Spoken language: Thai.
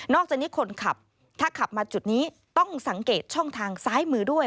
อกจากนี้คนขับถ้าขับมาจุดนี้ต้องสังเกตช่องทางซ้ายมือด้วย